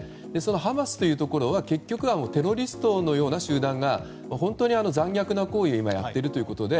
ハマスというところは結局はテロリストのような集団が、本当に残虐な行為を今、やっているということで。